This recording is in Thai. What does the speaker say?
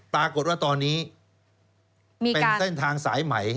ปรากฏว่าตอนนี้เป็นเส้นทางสายใหม่